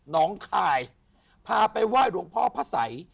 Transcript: น้องคายพาไปไหว้หลวงพ่อพระสัย